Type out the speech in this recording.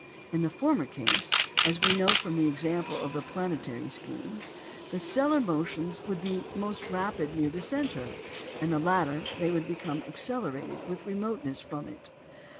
In the former case (as we know from the example of the planetary scheme), the stellar motions would be most rapid near the centre; in the latter, they would become accelerated with remoteness from it.